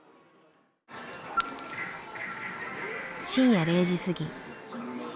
深夜０時過ぎ。